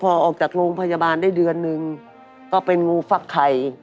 พอออกจากโรงพยาบาลได้เดือนนึงก็เป็นงูฟักไข่